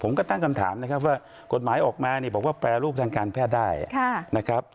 ตั้งคำถามนะครับว่ากฎหมายออกมาเนี่ยบอกว่าแปรรูปทางการแพทย์ได้นะครับ